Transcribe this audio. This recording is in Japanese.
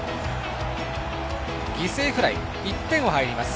犠牲フライ、１点は入ります。